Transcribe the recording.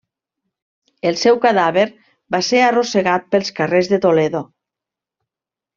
El seu cadàver va ser arrossegat pels carrers de Toledo.